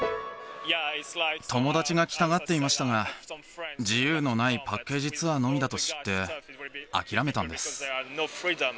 友達が来たがっていましたが、自由のないパッケージツアーのみだと知って、諦めたんです。